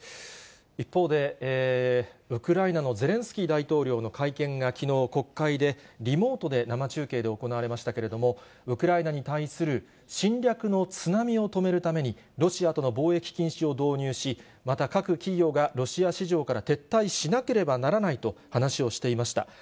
一方で、ウクライナのゼレンスキー大統領の会見がきのう国会で、リモートで生中継で行われましたけれども、ウクライナに対する侵略の津波を止めるために、ロシアとの貿易禁止を導入し、また各企業がロシア市場から撤退しなければならないと話をしていました。